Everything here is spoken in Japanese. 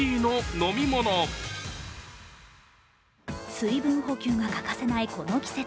水分補給が欠かせないこの季節。